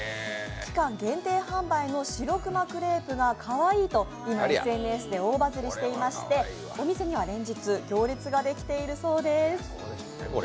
期間限定販売のシロクマクレープがかわいいと、今ＳＮＳで大バズりしていまして、お店には連日、行列ができているそうです。